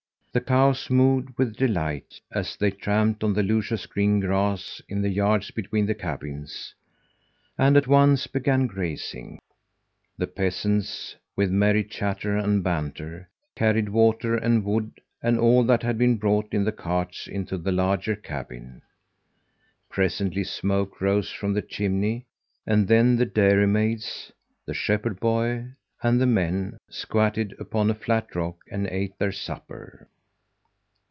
The cows mooed with delight as they tramped on the luscious green grass in the yards between the cabins, and at once began grazing. The peasants, with merry chatter and banter, carried water and wood and all that had been brought in the carts into the larger cabin. Presently smoke rose from the chimney and then the dairymaids, the shepherd boy, and the men squatted upon a flat rock and ate their supper.